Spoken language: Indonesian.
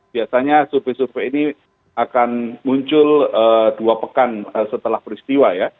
biasanya survei survei ini akan muncul dua pekan setelah peristiwa ya